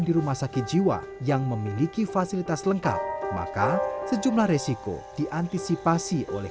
di rumah sakit jiwa yang memiliki fasilitas lengkap maka sejumlah resiko diantisipasi oleh